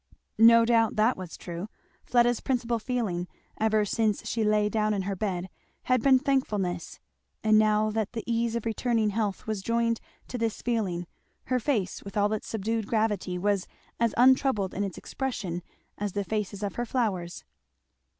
No doubt that was true. Fleda's principal feeling, ever since she lay down in her bed, had been thankfulness; and now that the ease of returning health was joined to this feeling, her face with all its subdued gravity was as untroubled in its expression as the faces of her flowers.